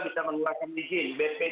dikeluarkan oleh pemerintian perhubungan